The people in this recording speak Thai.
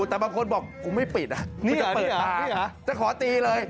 แต่บางคนบอกกูไม่ปิดนี่จะเปิดตาจะขอตีเลย